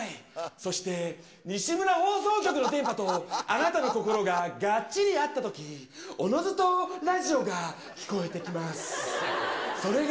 そして、西村放送局の電波と、あなたの心ががっちり合ったとき、おのずとラジオが聞こえてきます。